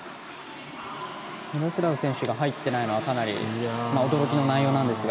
ミロスラフ選手が入っていないのがかなり驚きの内容なんですが。